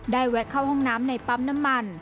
แวะเข้าห้องน้ำในปั๊มน้ำมัน